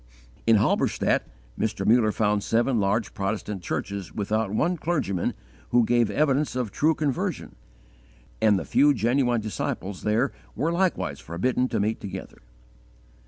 In Halberstadt Mr. Muller found seven large Protestant churches without one clergyman who gave evidence of true conversion, and the few genuine disciples there were likewise forbidden to meet together.